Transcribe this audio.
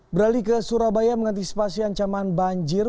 beralih ke surabaya mengantisipasi ancaman banjir